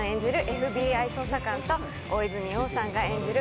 ＦＢＩ捜査官と大泉洋さんが演じる